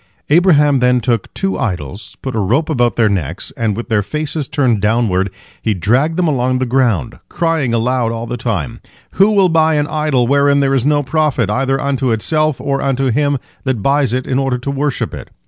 Abraham then took two idols, put a rope about their necks, and, with their faces turned downward, he dragged them along the ground, crying aloud all the time: "Who will buy an idol wherein there is no profit, either unto itself or unto him that buys it in order to worship it?